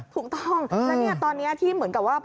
ถูกต้องแล้วเนี่ยตอนนี้ที่เหมือนกับว่า